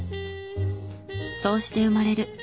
そうして生まれる